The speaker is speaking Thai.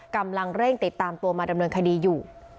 กำลังเร่งติดตามตัวมาดำเนินคดีอยู่